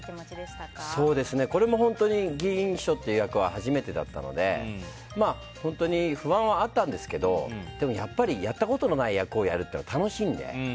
議員秘書という役は初めてだったので本当に不安はあったんですけどやっぱりやったことのない役をやるのは楽しいので。